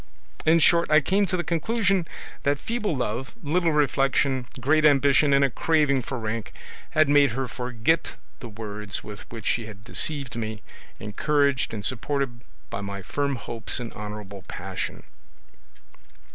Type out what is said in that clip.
In short, I came to the conclusion that feeble love, little reflection, great ambition, and a craving for rank, had made her forget the words with which she had deceived me, encouraged and supported by my firm hopes and honourable passion.